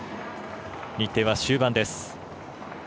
日程は終盤です。